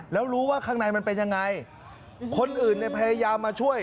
แล้วรู้ว่าข้างในมันเป็นยังไงคนอื่นเนี่ยพยายามมาช่วย